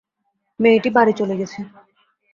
মেয়েটি বাড়ি চলে গেছে।